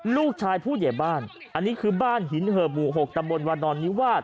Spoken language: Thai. ลูกชายผู้เหยียบบ้านอันนี้คือบ้านหินเหบหมู่๖ตำบลวันนอนนิวาส